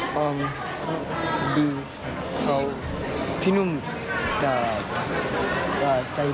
คุณกับพี่นุ่มรับยังไงบ้างคะ